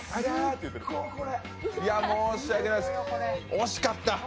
いや、惜しかった。